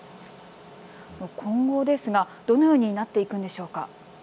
今後ですが、どのようになっていくんでしょうか。